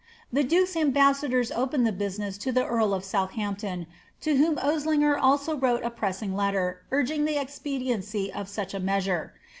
The duke's ainbas.<ar]or opened the business to the earl of Southampton, to whom Osliger also wrote a pressing letter, urging the expediency of such a measure.